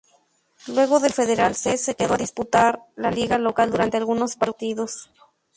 Luego del Federal C se quedó a disputar la liga local durante algunos partidos.